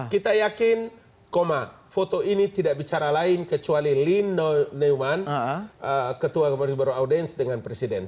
kita yakin koma foto ini tidak bicara lain kecuali lin newman ketua komunisme baru audence dengan presiden